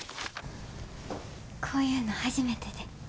こういうの初めてで。